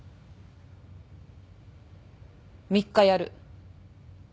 ３日やる。